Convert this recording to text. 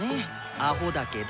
アホだけど。